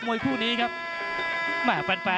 นักมวยจอมคำหวังเว่เลยนะครับ